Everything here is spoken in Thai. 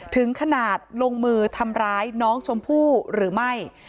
ถึงขนาดลงมือทำร้ายน้องชมพู่หรือไม่